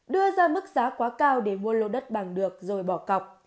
đưa ra mức giá quá cao để mua lô đất bằng được rồi bỏ cọc